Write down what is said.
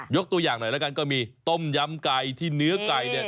ยกตัวอย่างหน่อยก็มีต้มยำไก่ที่เนื้อไก่